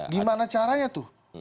gimana caranya tuh